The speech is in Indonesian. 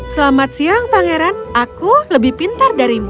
selamat siang pangeran aku lebih pintar darimu